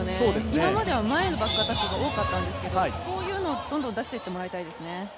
今までは前のバックアタックが多かったんですけれどもこういうのをどんどん出していってもらいたいですね。